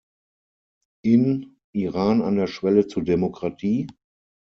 In "Iran an der Schwelle zur Demokratie?